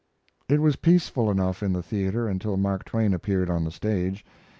] It was peaceful enough in the theater until Mark Twain appeared on the stage.